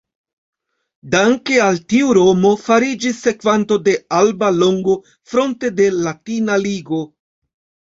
Danke al tio Romo fariĝis sekvanto de Alba Longo fronte de Latina Ligo.